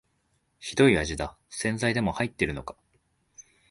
ひどい味だ、洗剤でも入ってるのか